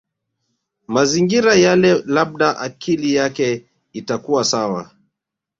Mazingira yale labda akili yake itakuwa sawa